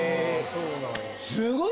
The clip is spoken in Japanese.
そうなんや。